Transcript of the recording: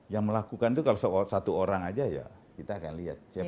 yang melakukan itu kalau satu orang aja ya kita akan lihat siapa